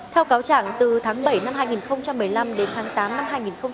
theo cáo trạng từ tháng bảy năm hai nghìn một mươi năm đến tháng tám năm hai nghìn một mươi chín